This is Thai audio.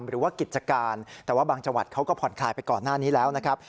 หรือว่ากิจการแต่ว่าบางจังหวัดเขาก็ผ่อนคลายไปก่อนหน้านี้แล้วนะครับ